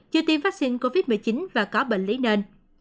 chưa tiêm vaccine covid một mươi chín và có bệnh lý nền